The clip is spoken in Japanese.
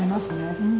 うん。